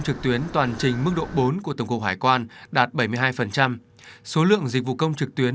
trực tuyến toàn trình mức độ bốn của tổng cục hải quan đạt bảy mươi hai số lượng dịch vụ công trực tuyến